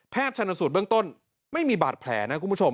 ชนสูตรเบื้องต้นไม่มีบาดแผลนะคุณผู้ชม